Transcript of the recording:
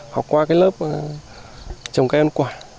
học qua cái lớp trồng cây ăn quả